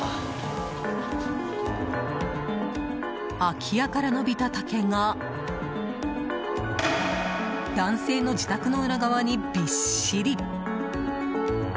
空き家から伸びた竹が男性の自宅の裏側にびっしり！